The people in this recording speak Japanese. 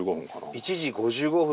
１時５５分。